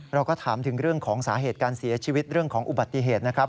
เราก็ถามถึงเรื่องของสาเหตุการเสียชีวิตเรื่องของอุบัติเหตุนะครับ